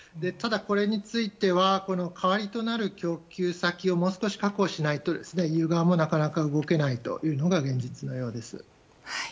ただ、これについては代わりとなる供給先をもう少し確保しないとＥＵ側もなかなか動けないというのが現実のようです。